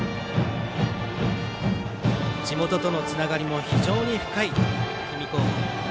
地元とのつながりも非常に深い氷見高校。